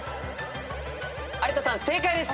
有田さん正解です。